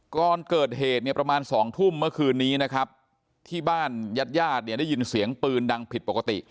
ก่อนเกิดเหตุเนี่ยประมาณ๒ทุ่มเมื่อคืนนี้นะครับที่บ้านญาติญาติเนี่ยได้ยินเสียงปืนดังผิดปกติ